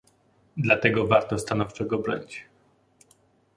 Dlatego warto stanowczo go bronić